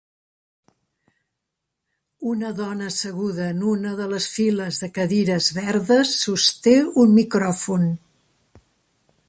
Una dona asseguda en una de les files de cadires verdes sosté un micròfon.